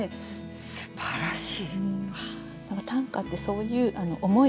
すばらしい。